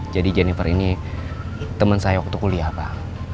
jadi jennifer ini temen saya waktu kuliah pak